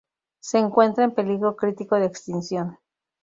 Se encuentra en peligro crítico de extinción.